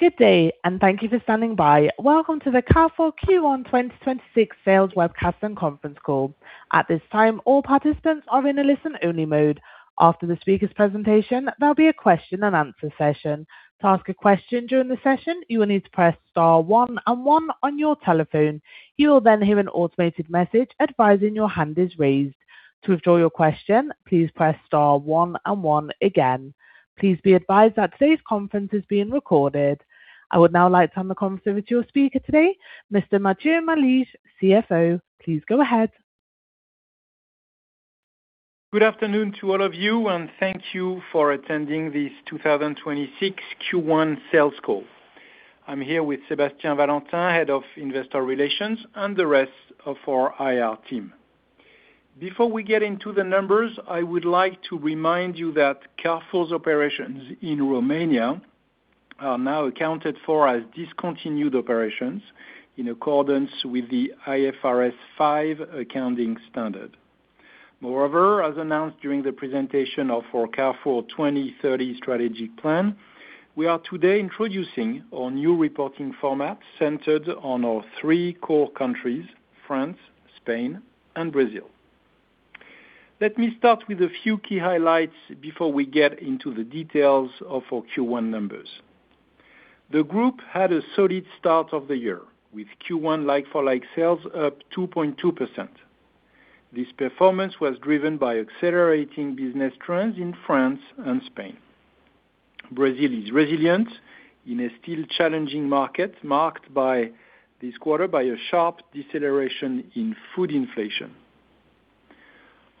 Good day, and thank you for standing by. Welcome to the Carrefour Q1 2026 sales webcast and conference call. At this time, all participants are in a listen-only mode. After the speaker's presentation, there'll be a question-and-answer session. To ask a question during the session, you will need to press star one and one on your telephone. You will then hear an automated message advising your hand is raised. To withdraw your question, please press star one and one again. Please be advised that today's conference is being recorded. I would now like to hand the conference over to your speaker today, Mr. Matthieu Malige, CFO. Please go ahead. Good afternoon to all of you, and thank you for attending this 2026 Q1 sales call. I'm here with Sébastien Valentin, Head of Investor Relations, and the rest of our IR team. Before we get into the numbers, I would like to remind you that Carrefour's operations in Romania are now accounted for as discontinued operations in accordance with the IFRS 5 accounting standard. Moreover, as announced during the presentation of our Carrefour 2030 strategy plan, we are today introducing our new reporting format centered on our three core countries, France, Spain, and Brazil. Let me start with a few key highlights before we get into the details of our Q1 numbers. The group had a solid start of the year with Q1 like-for-like sales up 2.2%. This performance was driven by accelerating business trends in France and Spain. Brazil is resilient in a still challenging market, marked by this quarter by a sharp deceleration in food inflation.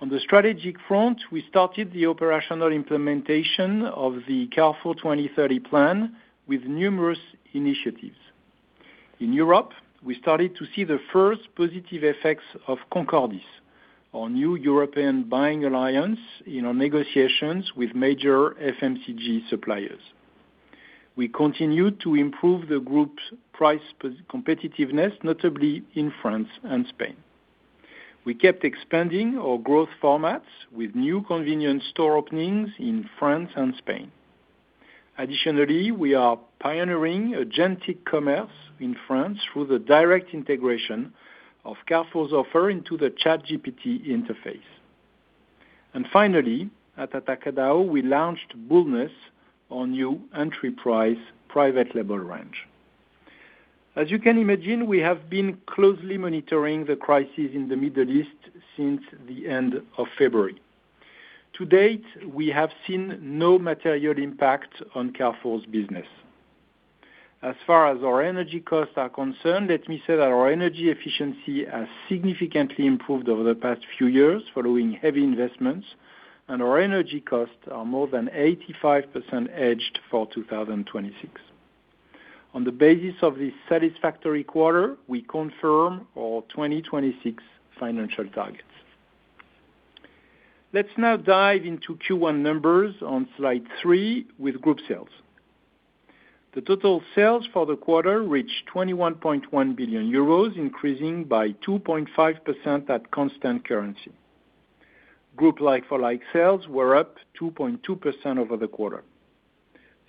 On the strategic front, we started the operational implementation of the Carrefour 2030 plan with numerous initiatives. In Europe, we started to see the first positive effects of Concordis, our new European buying alliance, in our negotiations with major FMCG suppliers. We continued to improve the group's price competitiveness, notably in France and Spain. We kept expanding our growth formats with new convenience store openings in France and Spain. Additionally, we are pioneering agentic commerce in France through the direct integration of Carrefour's offer into the ChatGPT interface. Finally, at Atacadão, we launched Bulnez, our new enterprise private label range. As you can imagine, we have been closely monitoring the crisis in the Middle East since the end of February. To date, we have seen no material impact on Carrefour's business. As far as our energy costs are concerned, let me say that our energy efficiency has significantly improved over the past few years following heavy investments, and our energy costs are more than 85% hedged for 2026. On the basis of this satisfactory quarter, we confirm our 2026 financial targets. Let's now dive into Q1 numbers on slide three with group sales. The total sales for the quarter reached 21.1 billion euros, increasing by 2.5% at constant currency. Group like-for-like sales were up 2.2% over the quarter.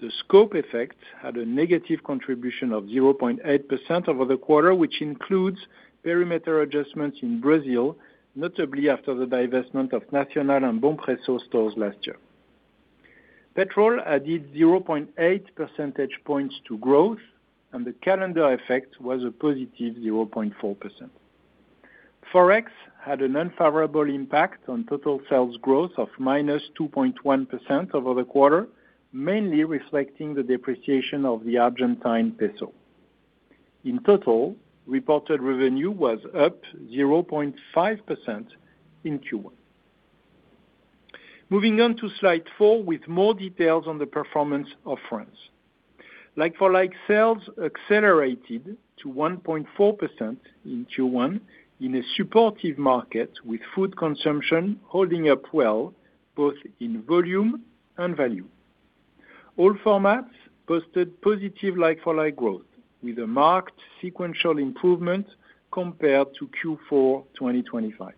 The scope effect had a negative contribution of 0.8% over the quarter, which includes perimeter adjustments in Brazil, notably after the divestment of Nacional and Bompreço stores last year. Petrol added 0.8 percentage points to growth, and the calendar effect was a +0.4%. Forex had an unfavorable impact on total sales growth of -2.1% over the quarter, mainly reflecting the depreciation of the Argentine peso. In total, reported revenue was up 0.5% in Q1. Moving on to slide four with more details on the performance of France. Like-for-like sales accelerated to 1.4% in Q1 in a supportive market, with food consumption holding up well both in volume and value. All formats posted positive like-for-like growth, with a marked sequential improvement compared to Q4 2025.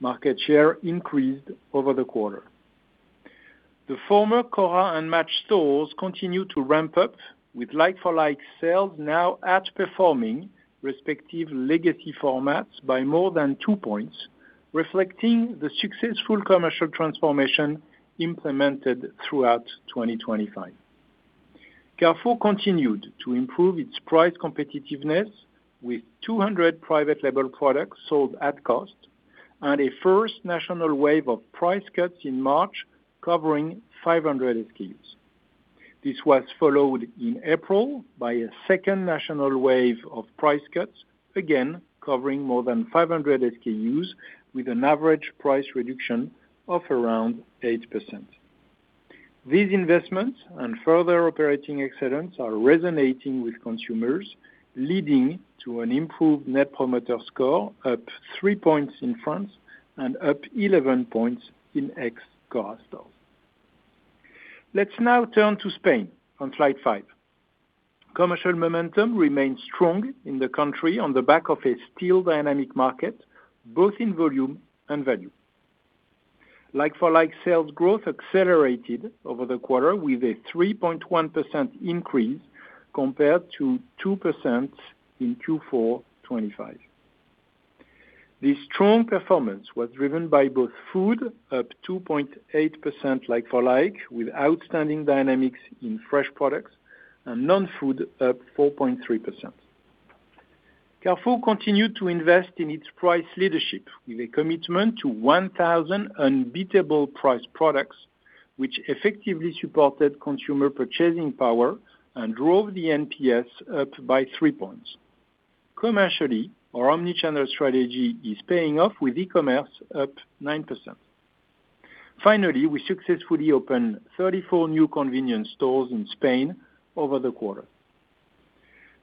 Market share increased over the quarter. The former Cora and Match stores continued to ramp up with like-for-like sales now outperforming respective legacy formats by more than 2 points, reflecting the successful commercial transformation implemented throughout 2025. Carrefour continued to improve its price competitiveness with 200 private label products sold at cost and a first national wave of price cuts in March, covering 500 SKUs. This was followed in April by a second national wave of price cuts, again, covering more than 500 SKUs with an average price reduction of around 8%. These investments and further operating excellence are resonating with consumers, leading to an improved net promoter score up 3 points in France and up 11 points in ex-Carrefour stores. Let's now turn to Spain on slide five. Commercial momentum remains strong in the country on the back of a still dynamic market, both in volume and value. Like-for-like sales growth accelerated over the quarter with a 3.1% increase compared to 2% in Q4 2025. This strong performance was driven by both food, up 2.8% like-for-like, with outstanding dynamics in fresh products, and non-food, up 4.3%. Carrefour continued to invest in its price leadership with a commitment to 1,000 unbeatable price products, which effectively supported consumer purchasing power and drove the NPS up by 3 points. Commercially, our omni-channel strategy is paying off with e-commerce up 9%. Finally, we successfully opened 34 new convenience stores in Spain over the quarter.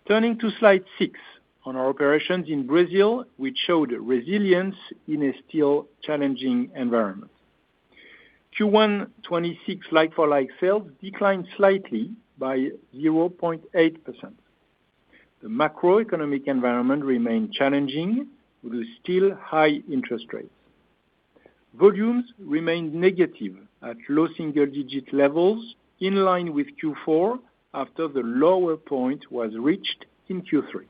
Turning to slide six on our operations in Brazil, which showed resilience in a still challenging environment. Q1 2026 like-for-like sales declined slightly by 0.8%. The macroeconomic environment remained challenging with still high interest rates. Volumes remained negative at low single-digit levels in line with Q4, after the lower point was reached in Q3.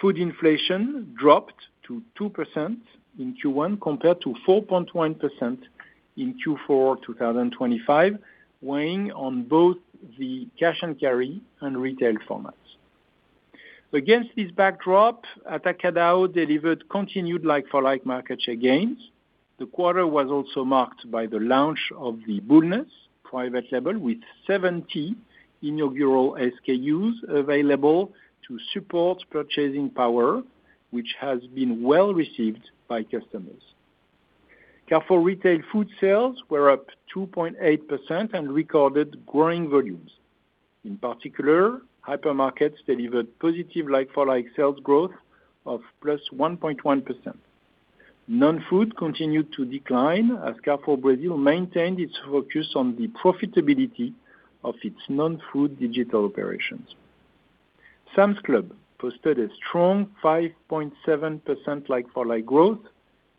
Food inflation dropped to 2% in Q1 compared to 4.1% in Q4 2025, weighing on both the cash and carry and retail formats. Against this backdrop, Atacadão delivered continued like-for-like market share gains. The quarter was also marked by the launch of the Bulnez private label, with 70 inaugural SKUs available to support purchasing power, which has been well received by customers. Carrefour retail food sales were up 2.8% and recorded growing volumes. In particular, hypermarkets delivered positive like-for-like sales growth of +1.1%. Non-food continued to decline as Carrefour Brazil maintained its focus on the profitability of its non-food digital operations. Sam's Club posted a strong 5.7% like-for-like growth,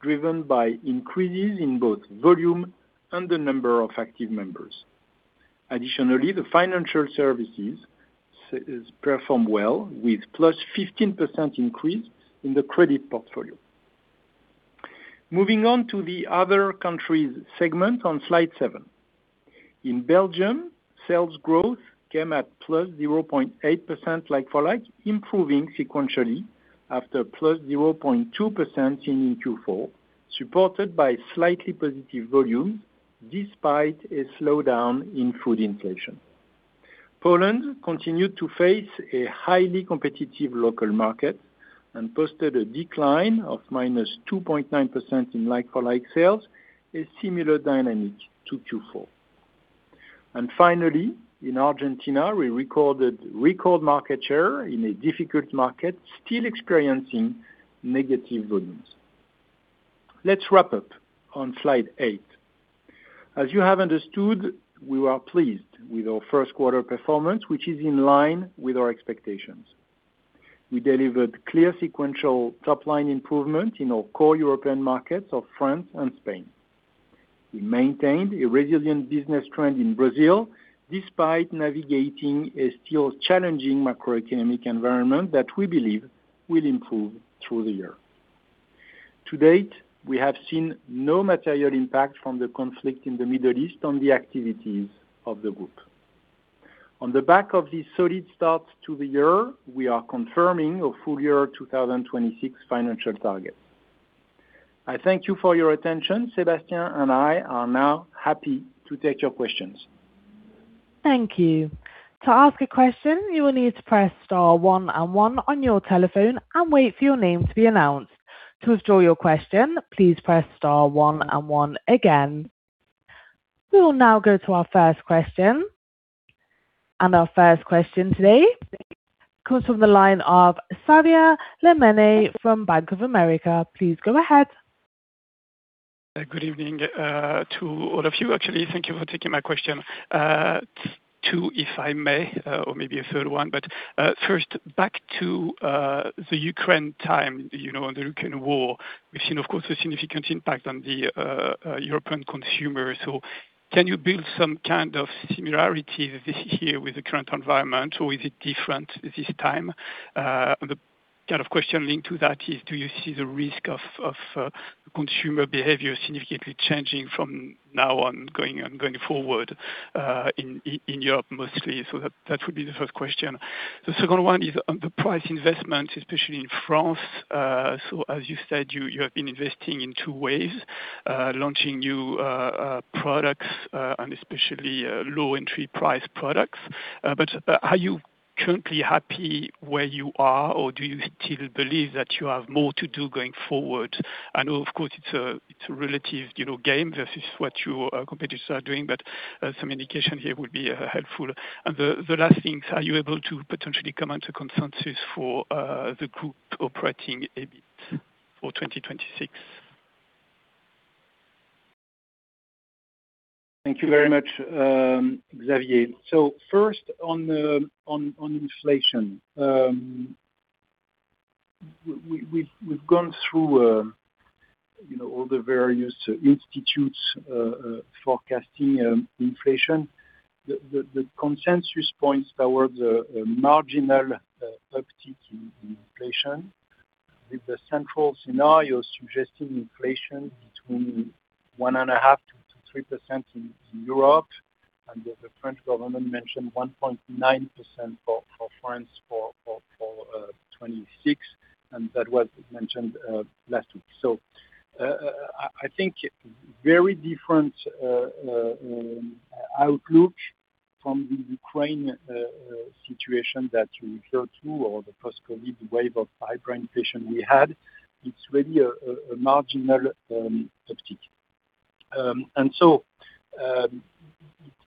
driven by increases in both volume and the number of active members. Additionally, the financial services performed well with +15% increase in the credit portfolio. Moving on to the other countries segment on slide seven. In Belgium, sales growth came at +0.8% like-for-like, improving sequentially after +0.2% in Q4, supported by slightly positive volumes despite a slowdown in food inflation. Poland continued to face a highly competitive local market and posted a decline of -2.9% in like-for-like sales, a similar dynamic to Q4. Finally, in Argentina, we recorded record market share in a difficult market, still experiencing negative volumes. Let's wrap up on slide eight. As you have understood, we are pleased with our first quarter performance, which is in line with our expectations. We delivered clear sequential top-line improvement in our core European markets of France and Spain. We maintained a resilient business trend in Brazil despite navigating a still challenging macroeconomic environment that we believe will improve through the year. To date, we have seen no material impact from the conflict in the Middle East on the activities of the group. On the back of this solid start to the year, we are confirming our full year 2026 financial targets. I thank you for your attention. Sébastien and I are now happy to take your questions. Thank you. To ask a question, you will need to press star one and one on your telephone and wait for your name to be announced. To withdraw your question, please press star one and one again. We will now go to our first question. Our first question today comes from the line of Xavier Le Mené from Bank of America. Please go ahead. Good evening to all of you, actually. Thank you for taking my question. Two, if I may, or maybe a third one. First, back to the Ukraine situation, on the Ukraine war. We've seen, of course, a significant impact on the European consumer. Can you build some kind of similarities this year with the current environment, or is it different this time? The kind of question linked to that is, do you see the risk of consumer behavior significantly changing from now on, going forward, in Europe mostly? That would be the first question. The second one is on the price investment, especially in France. As you said, you have been investing in two ways, launching new products and especially low entry price products. Are you currently happy where you are, or do you still believe that you have more to do going forward? I know, of course, it's a relative game versus what your competitors are doing, but some indication here would be helpful. The last thing, are you able to potentially come into consensus for the group operating EBIT for 2026? Thank you very much, Xavier. First on inflation. We've gone through all the various institutes forecasting inflation. The consensus points towards a marginal uptick in inflation, with the central scenario suggesting inflation between 1.5%-3% in Europe, and the French government mentioned 1.9% for France for 2026, and that was mentioned last week. I think very different outlook from the Ukraine situation that you refer to or the post-COVID wave of hyperinflation we had. It's really a marginal uptick.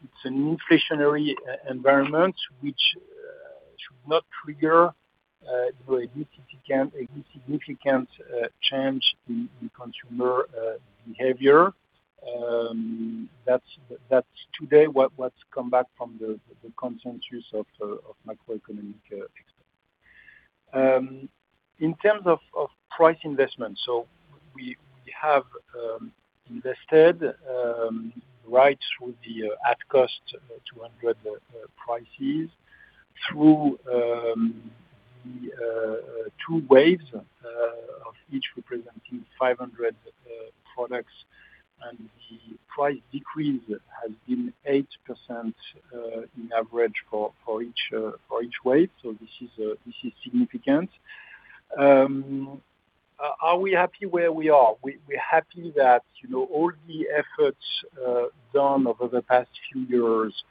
It's an inflationary environment which should not trigger a very significant change in consumer behavior. That's today what's come back from the consensus of macroeconomic experts. In terms of price investment, we have invested right through the Atacadão 200 prices through the two waves, each representing 500 products, and the price decrease has been 8% on average for each wave. This is significant. Are we happy where we are? We're happy that all the efforts done over the past few years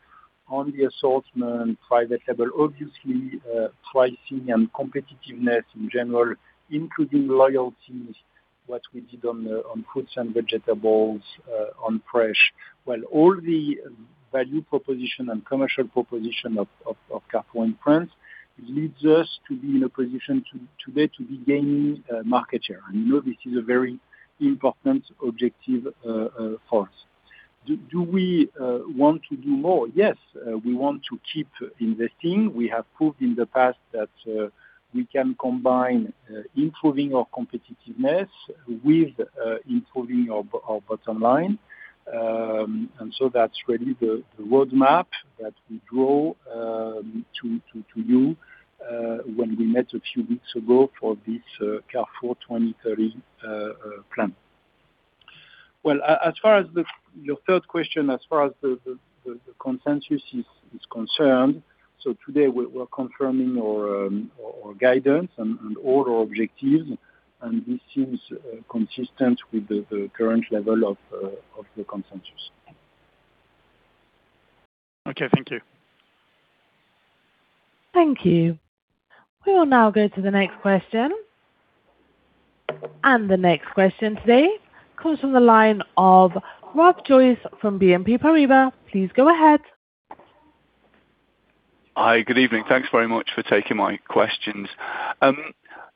on the assortment, private label, obviously, pricing and competitiveness in general, including loyalties, what we did on fruits and vegetables, on fresh. While all the value proposition and commercial proposition of Carrefour in France leads us to be in a position today to be gaining market share. You know this is a very important objective for us. Do we want to do more? Yes. We want to keep investing. We have proved in the past that we can combine improving our competitiveness with improving our bottom line. That's really the roadmap that we draw to you when we met a few weeks ago for this Carrefour 2030 plan. Well, as far as your third question, as far as the consensus is concerned, so today we're confirming our guidance and all our objectives, and this seems consistent with the current level of the consensus. Okay. Thank you. Thank you. We will now go to the next question. The next question today comes from the line of Rob Joyce from BNP Paribas. Please go ahead. Hi, good evening. Thanks very much for taking my questions.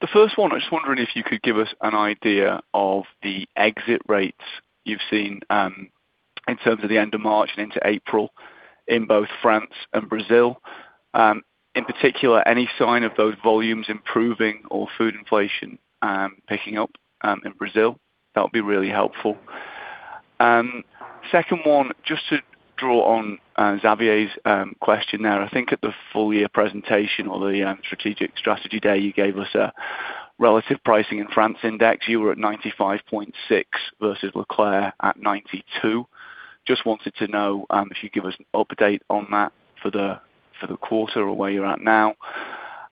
The first one, I was just wondering if you could give us an idea of the exit rates you've seen in terms of the end of March and into April in both France and Brazil. In particular, any sign of those volumes improving or food inflation picking up in Brazil? That would be really helpful. Second one, just to draw on Xavier's question there. I think at the full year presentation or the strategy day, you gave us a relative pricing in France index. You were at 95.6 versus E.Leclerc at 92. Just wanted to know if you'd give us an update on that for the quarter or where you're at now.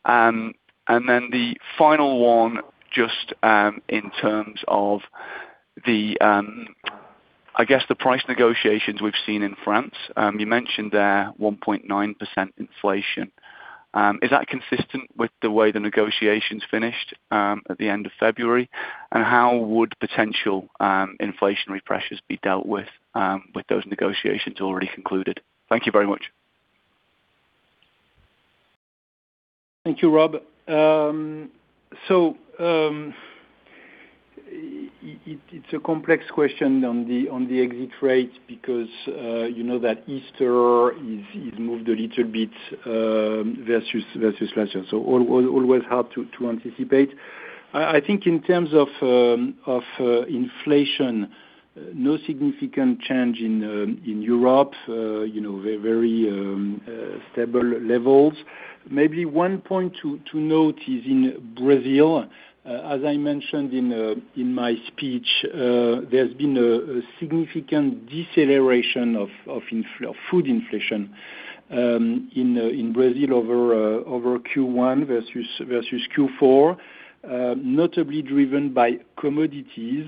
The final one, just in terms of, I guess the price negotiations we've seen in France. You mentioned there 1.9% inflation. Is that consistent with the way the negotiations finished at the end of February? How would potential inflationary pressures be dealt with those negotiations already concluded? Thank you very much. Thank you, Rob. It's a complex question on the exit rate because you know that Easter is moved a little bit versus last year, so always hard to anticipate. I think in terms of inflation, no significant change in Europe. Very stable levels. Maybe one point to note is in Brazil, as I mentioned in my speech, there's been a significant deceleration of food inflation in Brazil over Q1 versus Q4, notably driven by commodities,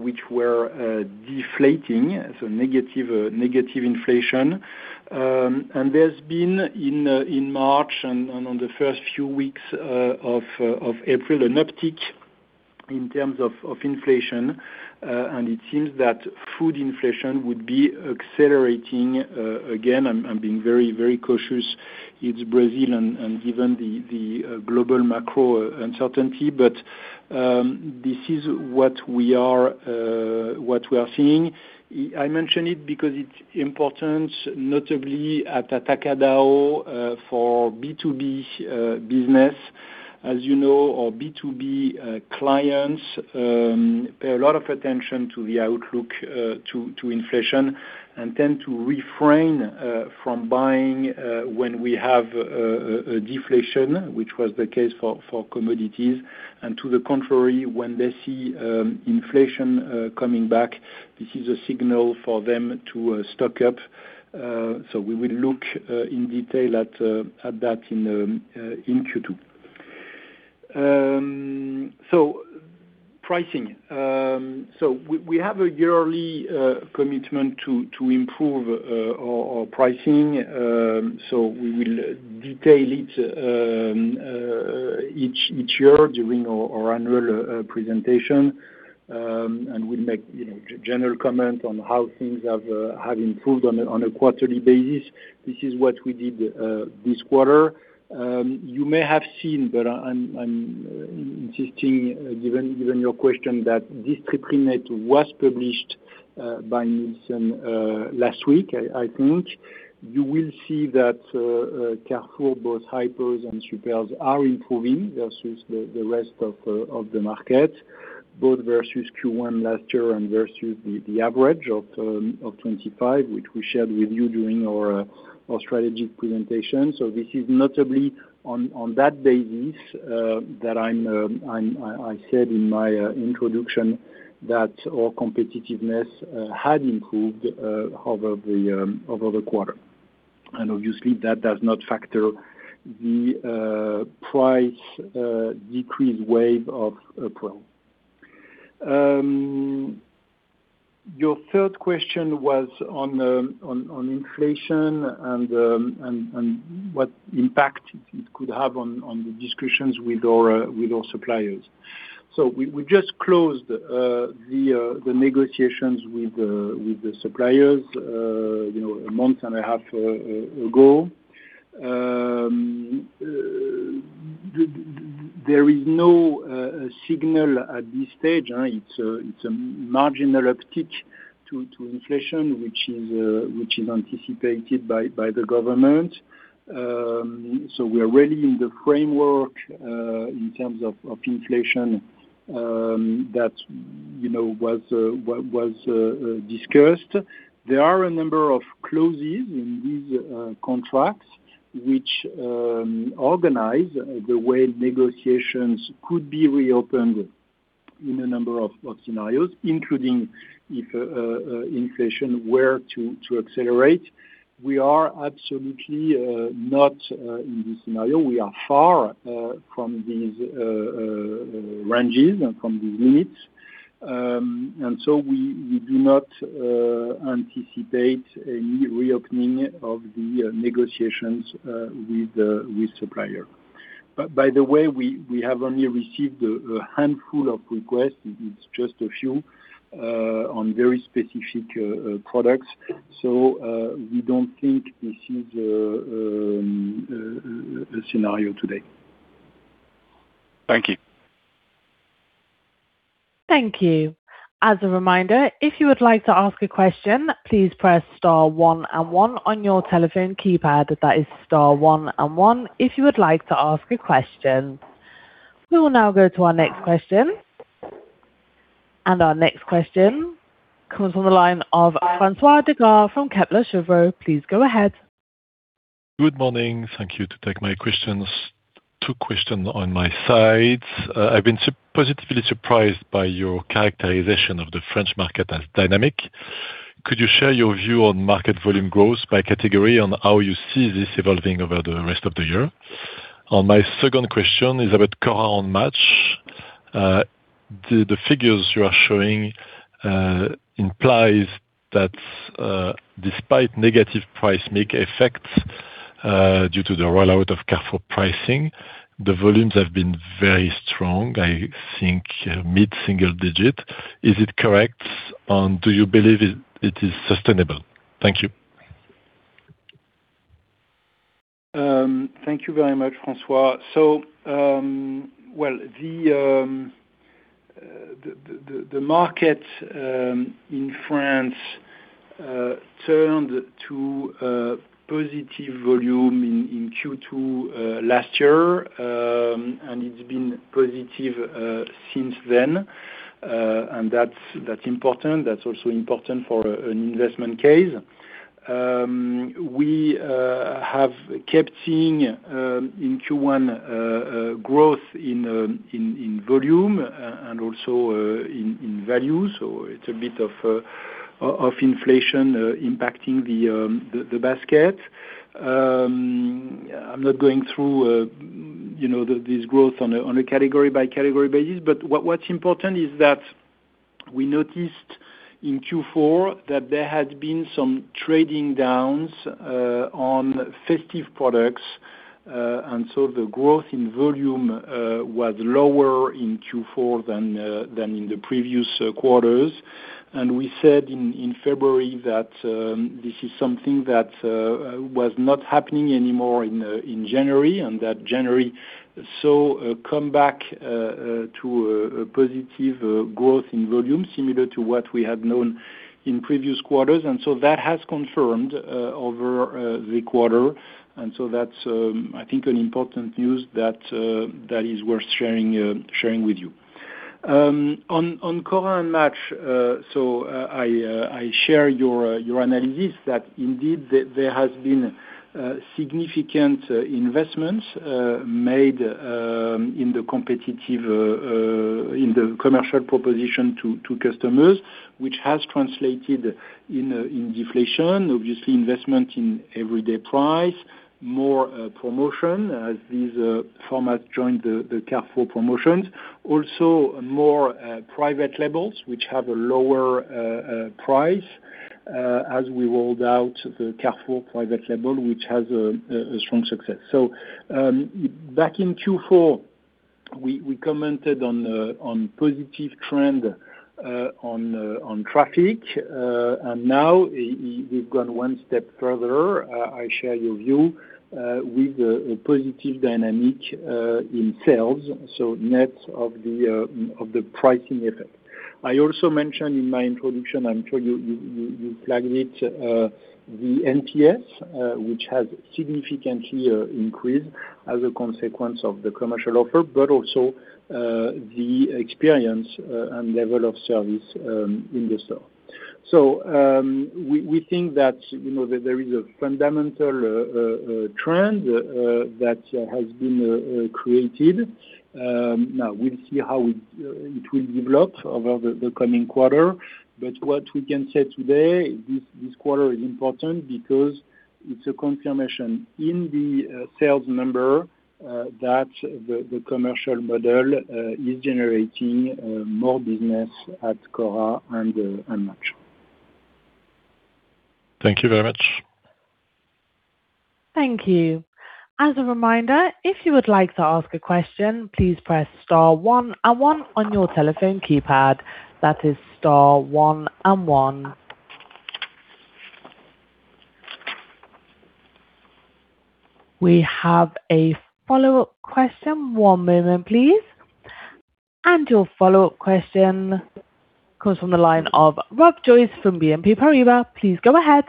which were deflating, so negative inflation. There's been, in March and on the first few weeks of April, an uptick in terms of inflation. It seems that food inflation would be accelerating again. I'm being very cautious. It's Brazil, and given the global macro uncertainty. This is what we are seeing. I mention it because it's important, notably at Atacadão, for B2B business. As you know, our B2B clients pay a lot of attention to the outlook to inflation and tend to refrain from buying when we have a deflation, which was the case for commodities. To the contrary, when they see inflation coming back, this is a signal for them to stock up. We will look in detail at that in Q2. Pricing. We have a yearly commitment to improve our pricing, so we will detail it each year during our annual presentation. We'll make general comment on how things have improved on a quarterly basis. This is what we did this quarter. You may have seen, but I'm insisting, given your question, that this triplet was published by Nielsen last week, I think. You will see that Carrefour, both hypers and supers, are improving versus the rest of the market, both versus Q1 last year and versus the average of 25, which we shared with you during our strategy presentation. This is notably on that basis that I said in my introduction that our competitiveness had improved over the quarter. Obviously, that does not factor the price decrease wave of April. Your third question was on inflation and what impact it could have on the discussions with our suppliers. We just closed the negotiations with the suppliers a month and a half ago. There is no signal at this stage. It's a marginal uptick to inflation, which is anticipated by the government. We are ready in the framework in terms of inflation that was discussed. There are a number of clauses in these contracts which organize the way negotiations could be reopened in a number of scenarios, including if inflation were to accelerate. We are absolutely not in this scenario. We are far from these ranges and from these units. We do not anticipate any reopening of the negotiations with supplier. By the way, we have only received a handful of requests, it's just a few on very specific products, so we don't think this is a scenario today. Thank you. Thank you. As a reminder, if you would like to ask a question, please press star one and one on your telephone keypad. That is star one and one, if you would like to ask a question. We will now go to our next question. Our next question comes on the line of François Digard from Kepler Cheuvreux. Please go ahead. Good morning. Thank you to take my questions. Two questions on my side. I've been positively surprised by your characterization of the French market as dynamic. Could you share your view on market volume growth by category and how you see this evolving over the rest of the year? My second question is about Match. The figures you are showing implies that despite negative price mix effects due to the rollout of Carrefour pricing, the volumes have been very strong, I think mid-single digit. Is it correct, and do you believe it is sustainable? Thank you. Thank you very much, François. Well, the market in France turned to positive volume in Q2 last year, and it's been positive since then. That's important. That's also important for an investment case. We have kept seeing in Q1 growth in volume and also in value. It's a bit of inflation impacting the basket. I'm not going through this growth on a category by category basis, but what's important is that we noticed in Q4 that there had been some trading down on festive products. The growth in volume was lower in Q4 than in the previous quarters. We said in February that this is something that was not happening anymore in January, and that January saw a comeback to a positive growth in volume similar to what we had known in previous quarters. That has confirmed over the quarter. That's, I think, an important news that is worth sharing with you. On Cora and Match, I share your analysis that indeed there has been significant investments made in the commercial proposition to customers, which has translated in deflation, obviously investment in everyday price, more promotion as these formats joined the Carrefour promotions. Also, more private labels, which have a lower price as we rolled out the Carrefour private label, which has a strong success. Back in Q4, we commented on positive trend on traffic. Now we've gone one step further. I share your view with a positive dynamic in sales, so net of the pricing effect. I also mentioned in my introduction, I'm sure you flagged it, the NPS, which has significantly increased as a consequence of the commercial offer, but also the experience and level of service in the store. We think that there is a fundamental trend that has been created. Now we'll see how it will develop over the coming quarter. What we can say today, this quarter is important because it's a confirmation in the sales number that the commercial model is generating more business at Cora and Match. Thank you very much. Thank you. As a reminder, if you would like to ask a question, please press star one and one on your telephone keypad. That is star one and one. We have a follow-up question. One moment please. Your follow-up question comes from the line of Rob Joyce from BNP Paribas. Please go ahead.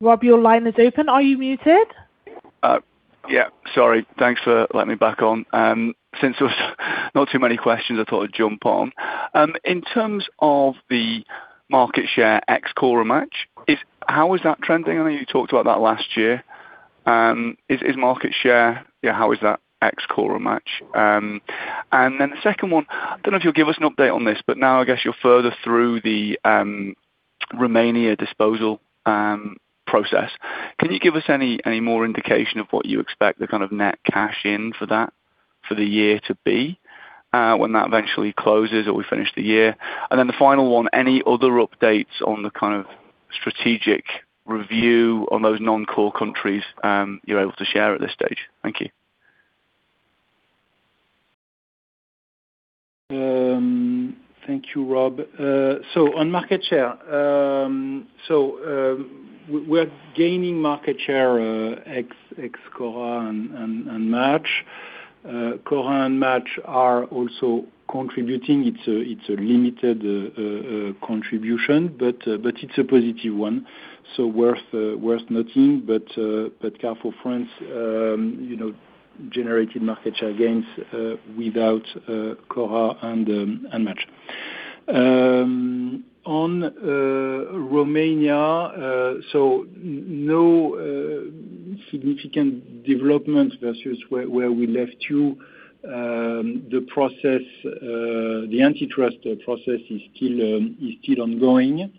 Rob, your line is open. Are you muted? Yeah. Sorry. Thanks for letting me back on. Since there was not too many questions, I thought I'd jump on. In terms of the market share ex Cora and Match, how is that trending? I know you talked about that last year. Is market share, how is that ex Cora and Match? And then the second one, I don't know if you'll give us an update on this, but now I guess you're further through the Romania disposal process. Can you give us any more indication of what you expect the kind of net cash in for that, for the year to be, when that eventually closes or we finish the year? And then the final one, any other updates on the kind of strategic review on those non-core countries you're able to share at this stage? Thank you. Thank you, Rob. On market share, we're gaining market share ex Cora and Match. Cora and Match are also contributing. It's a limited contribution, but it's a positive one, worth noting. Carrefour France generated market share gains without Cora and Match. On Romania, no significant developments versus where we left you. The antitrust process is still ongoing.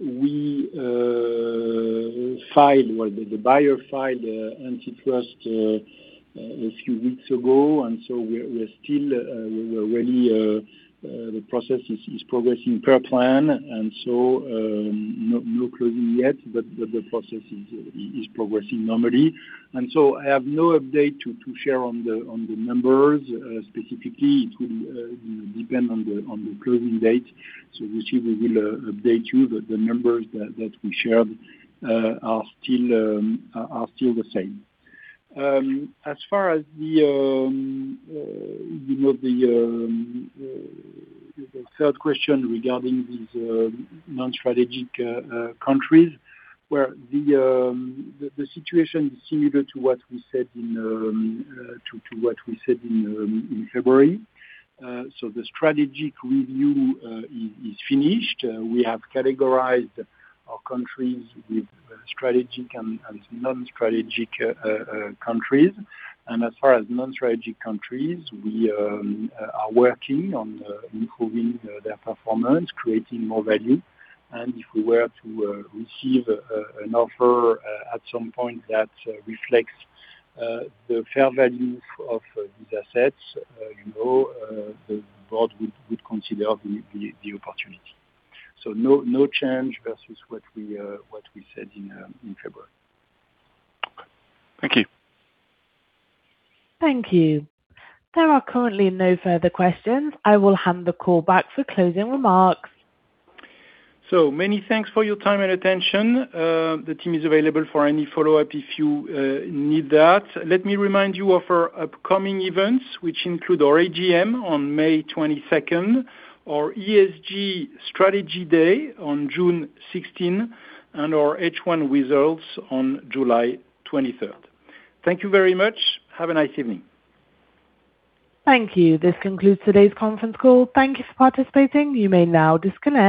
The buyer filed antitrust a few weeks ago, and so we're ready. The process is progressing per plan, and so, no closing yet, but the process is progressing normally. I have no update to share on the numbers specifically. It will depend on the closing date. We see, we will update you, but the numbers that we shared are still the same. As far as the third question regarding these non-strategic countries, where the situation is similar to what we said in February. The strategic review is finished. We have categorized our countries with strategic and non-strategic countries. As far as non-strategic countries, we are working on improving their performance, creating more value. If we were to receive an offer at some point that reflects the fair value of these assets, the board would consider the opportunity. No change versus what we said in February. Thank you. Thank you. There are currently no further questions. I will hand the call back for closing remarks. Many thanks for your time and attention. The team is available for any follow-up if you need that. Let me remind you of our upcoming events, which include our AGM on May 22nd, our ESG Strategy Day on June 16, and our H1 results on July 23rd. Thank you very much. Have a nice evening. Thank you. This concludes today's conference call. Thank you for participating. You may now disconnect.